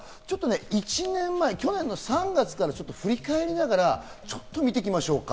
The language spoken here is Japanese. １年前、去年の３月から振り返りながら、ちょっと見ていきましょうか。